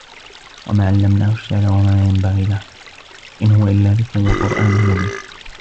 وَما عَلَّمناهُ الشِّعرَ وَما يَنبَغي لَهُ إِن هُوَ إِلّا ذِكرٌ وَقُرآنٌ مُبينٌ